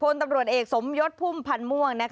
ตำรวจเอกสมยศพุ่มพันธ์ม่วง